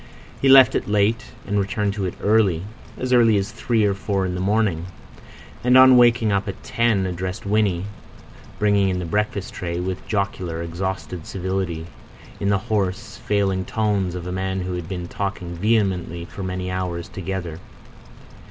He left it late, and returned to it early—as early as three or four in the morning; and on waking up at ten addressed Winnie, bringing in the breakfast tray, with jocular, exhausted civility, in the hoarse, failing tones of a man who had been talking vehemently for many hours together.